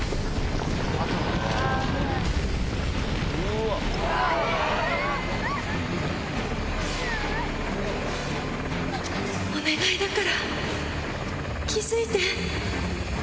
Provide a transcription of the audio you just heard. お願いだから気付いて！